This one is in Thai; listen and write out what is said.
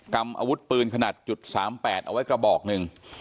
กรรมอาวุธปืนขนาด๓๘เอาไว้กระบอกหนึ่ง